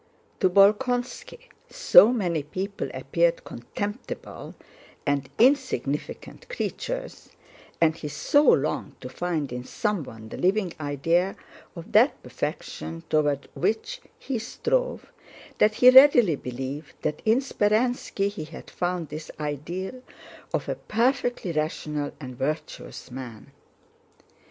To Bolkónski so many people appeared contemptible and insignificant creatures, and he so longed to find in someone the living ideal of that perfection toward which he strove, that he readily believed that in Speránski he had found this ideal of a perfectly rational and virtuous man.